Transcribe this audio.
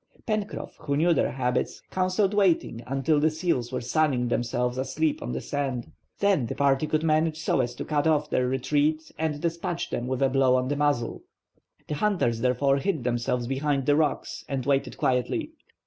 Pencroff, who knew their habits, counselled waiting until the seals were sunning themselves asleep on the sand. Then the party could manage so as to cut off their retreat and despatch them with a blow on the muzzle. The hunters therefore hid themselves behind the rocks and waited quietly.